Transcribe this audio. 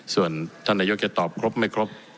ส่วนท่านนายกจะตอบครบไม่ครบ